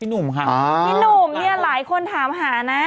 หนุ่มค่ะพี่หนุ่มเนี่ยหลายคนถามหานะ